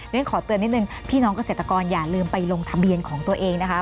ขอเตือนนิดนึงพี่น้องเกษตรกรอย่าลืมไปลงทะเบียนของตัวเองนะคะ